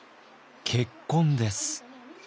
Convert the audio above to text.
結婚です。